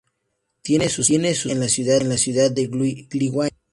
Tiene su sede en la ciudad de Gliwice.